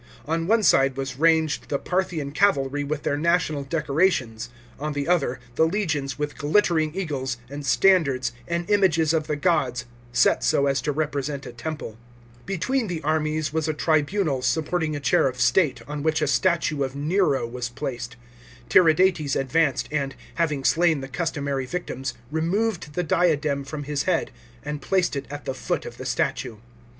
On one side was ranged the Parthian cavalry with their national decora 66 A.D. TIRIDATES CROWNED BY NERO. 321 tions ; on the other, the legions with glittering eagles, and standards, and images of the gods, set so as to represent a temple. Between the armies was a tribunal supporting a chair of state, on which a statue of Nero was placed. Tiridates advanced, and, having slain the customary victims, removed the diadem from his head and placed it at the foot of the statue.